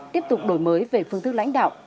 tiếp tục đổi mới về phương thức lãnh đạo